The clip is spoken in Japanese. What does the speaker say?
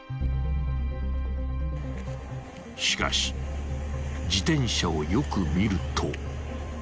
［しかし自転車をよく見ると］